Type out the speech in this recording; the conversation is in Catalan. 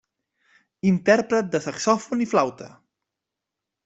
Intèrpret de saxòfon i flauta.